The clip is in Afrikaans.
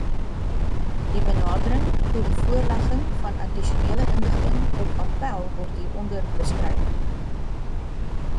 Die benadering tot die voorlegging van addisionele inligting op appèl word hieronder beskryf.